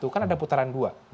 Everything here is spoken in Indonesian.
kan ada putaran dua